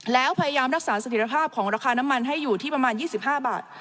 แล้วพยายามรักษาสถิตภาพของราคาน้ำมันให้อยู่ที่ประมาณ๒๕บาท